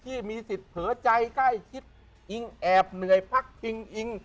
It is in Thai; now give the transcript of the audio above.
ที่มีสิทธิ์เผลอใจใกล้ชิดอิงแอบเหนื่อยพักพิงอิง